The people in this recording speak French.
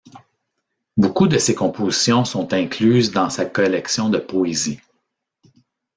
Beaucoup de ses compositions sont incluses dans sa collection de poésie.